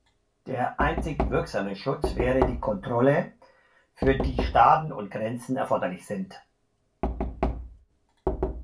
Der einzig wirksame Schutz wäre die Kontrolle, für die Staaten und Grenzen erforderlich sind.